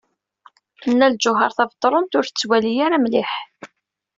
Nna Lǧuheṛ Tabetṛunt ur tettwali ara mliḥ.